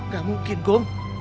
gak mungkin kum